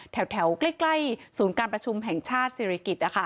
แถวใกล้ศูนย์การประชุมแห่งชาติศิริกิจ